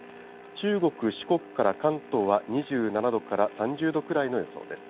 中国、四国から関東は２７度から３０度くらいの予想です。